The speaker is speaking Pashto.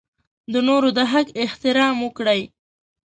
د نورو د حق احترام وکړئ.